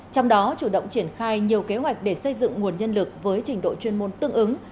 trong đó chủ động triển khai nhiều kế hoạch để xây dựng nguồn nhân lực với trình độ chuyên môn tương ứng